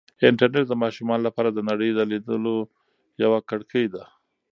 انټرنیټ د ماشومانو لپاره د نړۍ د لیدلو یوه کړکۍ ده.